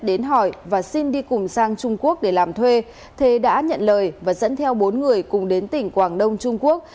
đến hỏi và xin đi cùng sang trung quốc để làm thuê thế đã nhận lời và dẫn theo bốn người cùng đến tỉnh quảng đông trung quốc